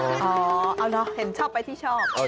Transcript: โอ๊ยเอาล่ะเห็นชอบไปที่ชอบ